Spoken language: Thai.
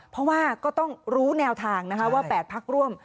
เพราะว่าก็ต้องรู้แนวทางนะคะว่า๘พักร่วม